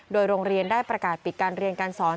โดยโรงเรียนได้ประกาศปิดการเรียนการสอน